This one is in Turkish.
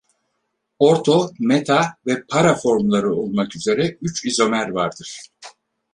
“Orto-”, “meta-” ve “para-” formları olmak üzere üç izomer vardır.